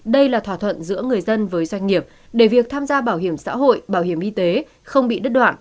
đây là thỏa thuận giữa người dân với doanh nghiệp để việc tham gia bảo hiểm xã hội bảo hiểm y tế không bị đứt đoạn